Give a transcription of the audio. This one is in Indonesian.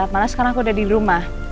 malah sekarang aku udah di rumah